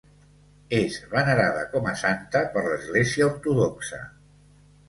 És venerada com a santa per l'Església ortodoxa.